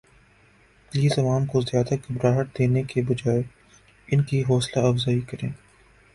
piles عوام کو زیادہ گھبراہٹ دینے کے بجاے ان کی حوصلہ افزائی کریں